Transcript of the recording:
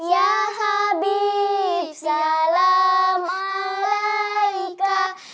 ya habib salam alaikum